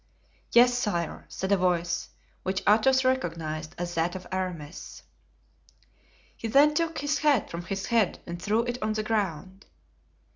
"Yes, sire," said a voice, which Athos recognized as that of Aramis. He then took his hat from his head and threw it on the ground.